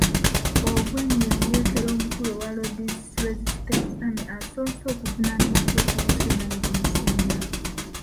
Ongwen ye muyeekera omukulu owa Lord's Resistance Army asoose okuvunaanibwa kkooti y'ensi yonna ne gumusinga.